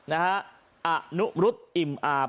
อะหนุรุตอิเลย